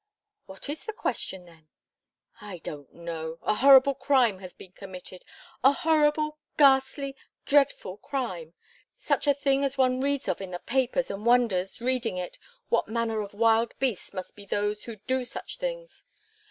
"What is the question, then?" "I don't know. A horrible crime has been committed a horrible, ghastly, dreadful crime such a thing as one reads of in the papers and wonders, reading it, what manner of wild beasts must be those who do such things.